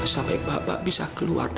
sampai bapak bisa keluar